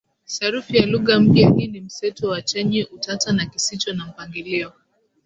Sarufi ya lugha mpya hii ni mseto wa chenye utata na kisicho na mpangilio